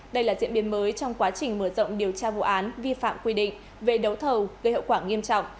đây là diễn biến mới trong quá trình mở rộng điều tra vụ án vi phạm quy định về đấu thầu gây hậu quả nghiêm trọng